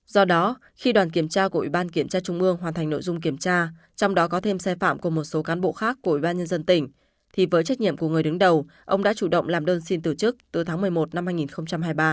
do đó khi đoàn kiểm tra của ủy ban kiểm tra trung ương hoàn thành nội dung kiểm tra trong đó có thêm sai phạm của một số cán bộ khác của ủy ban nhân dân tỉnh thì với trách nhiệm của người đứng đầu ông đã chủ động làm đơn xin từ chức từ tháng một mươi một năm hai nghìn hai mươi ba